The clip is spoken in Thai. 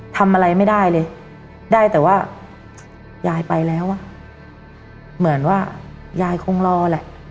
ทำอะไรไม่ได้เลยได้แต่ว่ายายไปแล้วอ่ะเหมือนว่ายายคงรอแหละ